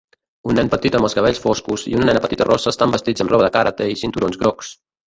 Un nen petit amb els cabells foscos i una nena petita rossa estan vestits amb roba de karate i cinturons grocs.